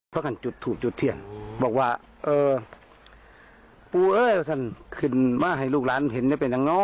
เพราะท่านจุดทูบจุดเทียนบอกว่าเออปูเอ้ยท่านขึ้นมาให้ลูกหลานเห็นได้เป็นอย่างง้อ